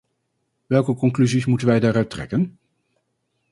Welke conclusies moeten wij daar uit trekken?